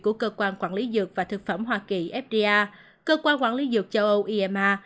của cơ quan quản lý dược và thực phẩm hoa kỳ fda cơ quan quản lý dược châu âu imar